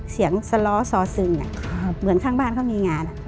เสียงสะล้อซอซึงอ่ะครับเหมือนข้างบ้านเขามีงานอ่ะ